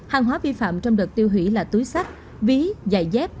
hàng hóa vi phạm trong đợt tiêu hủy là túi sách ví giày dép